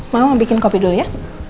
mau bikin kopi dulu ya